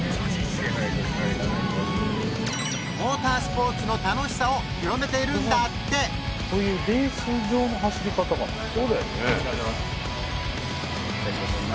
モータースポーツの楽しさを広めているんだってこういうレース場の走り方かな？